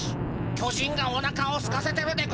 巨人がおなかをすかせてるでゴンス。